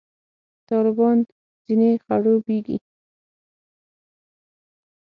طالبان ځنې خړوبېږي.